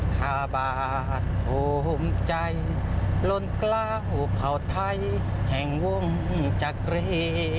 ข้าบาทภูมิใจล้นกล้าวเผ่าไทยแห่งวงจักรี